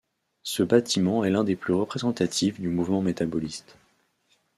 Ce bâtiment est l’un des plus représentatifs du mouvement métaboliste.